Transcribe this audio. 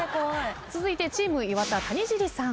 続いてチーム岩田谷尻さん。